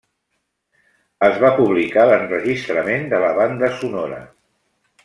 Es va publicar l'enregistrament de la banda sonora.